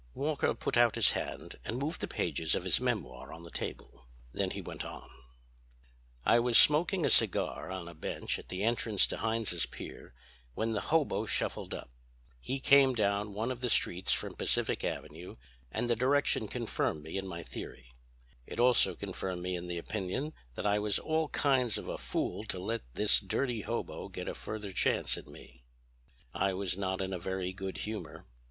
Walker put out his hand and moved the pages of his memoir on the table. Then he went on: "I was smoking a cigar on a bench at the entrance to Heinz's Pier when the hobo shuffled up. He came down one of the streets from Pacific Avenue, and the direction confirmed me in my theory. It also confirmed me in the opinion that I was all kinds of a fool to let this dirty hobo get a further chance at me. "I was not in a very good humor.